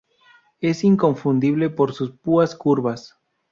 Es inconfundible por sus púas curvas.